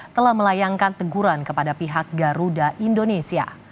telah melayangkan teguran kepada pihak garuda indonesia